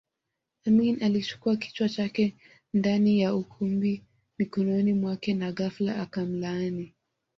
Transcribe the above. Amin alichukua kichwa chake ndani ya ukumbi mikononi mwake na ghafla akamlaani